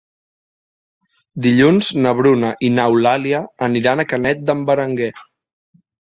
Dilluns na Bruna i n'Eulàlia aniran a Canet d'en Berenguer.